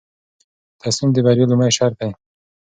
تصمیم د بریا لومړی شرط دی.